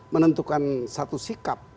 menentukan satu sikap